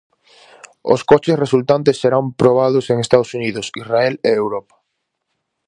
Os coches resultantes serán probados en Estados Unidos, Israel e Europa.